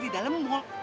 di dalam mall